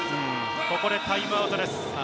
ここでタイムアウトです。